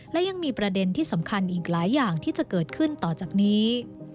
และยังมีประเด็นที่สำคัญอีกหลายอย่างที่จะเกิดขึ้นต่อจากนี้